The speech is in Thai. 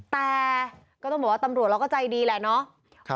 แต่ก็ต้องบอกว่าตำรวจเราก็ใจดีแหละเนาะ